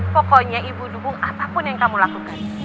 pokoknya ibu dukung apapun yang kamu lakukan